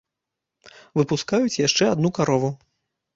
Выпускаюць яшчэ адну карову.